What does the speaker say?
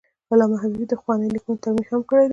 علامه حبیبي د پخوانیو لیکنو ترمیم هم کړی دی.